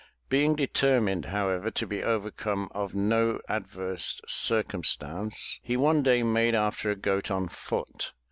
Being determined however to be overcome of no adverse circumstance, he one day made after a goat on foot.